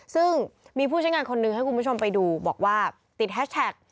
ซึ่งมีผู้ใช้งานคนนึงให้คุณผู้ชมไปดูบอกว่าติดแฮชแท็ก